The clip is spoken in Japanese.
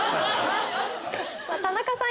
田中さん